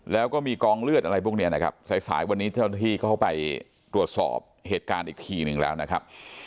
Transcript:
แล้วก็มีกองเลือดอะไรพวกนี้นะครับสายสายวันนี้เจ้าหน้าที่เข้าไปตรวจสอบเหตุการณ์อีกทีหนึ่งแล้วนะครับ